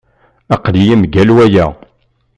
Aql-iyi mgal waya.